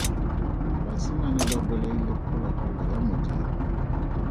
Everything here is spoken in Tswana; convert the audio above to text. Basimane ba bolaile phologolo ya Modimo.